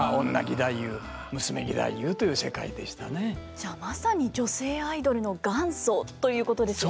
じゃあまさに女性アイドルの元祖ということですよね。